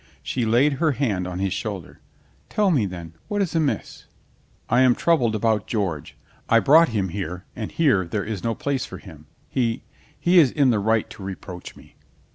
She laid her hand on his shoulder. "Tell me, then, what is amiss?" "I am troubled about George. I brought him here and here there is no place for him. He — he is in the right to reproach me."